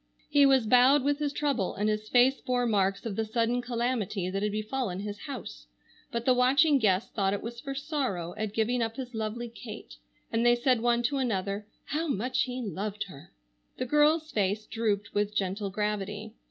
He was bowed with his trouble and his face bore marks of the sudden calamity that had befallen his house, but the watching guests thought it was for sorrow at giving up his lovely Kate, and they said one to another, "How much he loved her!" The girl's face drooped with gentle gravity.